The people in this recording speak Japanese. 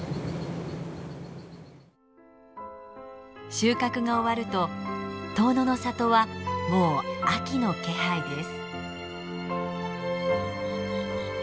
収穫が終わると遠野の里はもう秋の気配です。